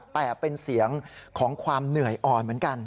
แต่เป็นเสียงของความเหนื่อยอ่อนเหมือนกัน